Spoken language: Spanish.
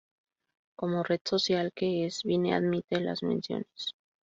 Como red social que es, Vine admite las menciones.